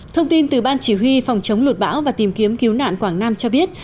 thông tin từ ban chỉ huy phòng chống lụt bão và tìm kiếm cứu nạn quảng nam cho biết